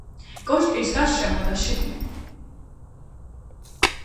კოშკის გარშემო და შიგნით მიწის დონე აწეულია.